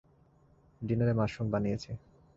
ডিনারে মাশরুম বানিয়েছি।